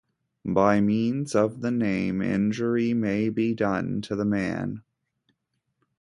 By means of the name, injury may be done to the man.